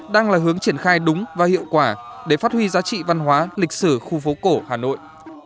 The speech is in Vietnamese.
đúng và hiệu quả để phát huy giá trị văn hóa lịch sử khu phố cổ hà nội